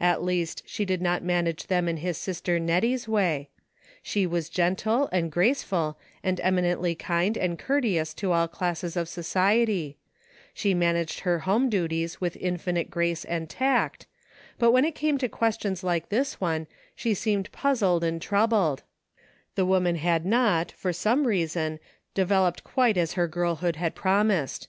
At least she did not manage them in his sister Nettie's way. She was gentle, and graceful, and eminently kind and courteous to all classes of society ; she managed her home duties with infinite grace and tact ; but when it came to questions like this one she seemed puzzled and troubled ; the woman had not, for some reason, developed quite as her girlhood had prom ised.